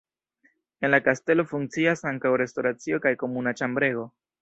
En la kastelo funkcias ankaŭ restoracio kaj komuna ĉambrego.